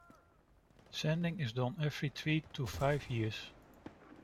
Sanding is done every three to five years.